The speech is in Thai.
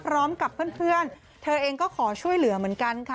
พร้อมกับเพื่อนเธอเองก็ขอช่วยเหลือเหมือนกันค่ะ